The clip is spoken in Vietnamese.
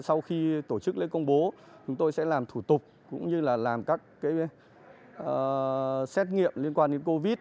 sau khi tổ chức lên công bố chúng tôi sẽ làm thủ tục cũng như là làm các xét nghiệm liên quan đến covid một mươi chín